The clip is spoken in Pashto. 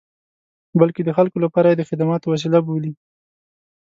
بلکې د خلکو لپاره یې د خدماتو وسیله بولي.